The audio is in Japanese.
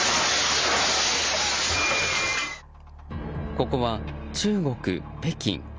ここは中国・北京。